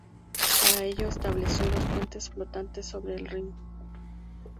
Para ello, estableció dos puentes flotantes sobre el Rin.